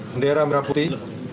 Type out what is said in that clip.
mendera merah putih